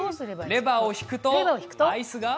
レバーを引くとアイスが。